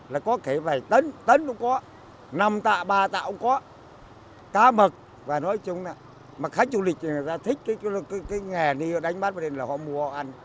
là có thể vài tấn tấn cũng có năm tạ ba tạ cũng có cá mực và nói chung là khách du lịch người ta thích cái nghề đánh bắt vào đây là họ mua ăn